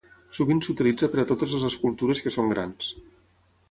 Sovint s'utilitza per a totes les escultures que són grans.